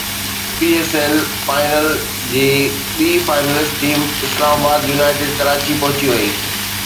P S L final جي ٻي finalist team Islamabad United Karachi پهچي وئي